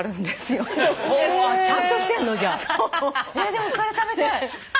でもそれ食べたい。